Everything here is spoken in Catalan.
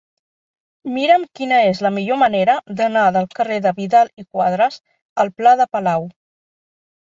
Mira'm quina és la millor manera d'anar del carrer de Vidal i Quadras al pla de Palau.